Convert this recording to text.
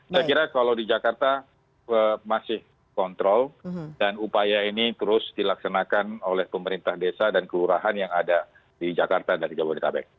saya kira kalau di jakarta masih kontrol dan upaya ini terus dilaksanakan oleh pemerintah desa dan kelurahan yang ada di jakarta dan jabodetabek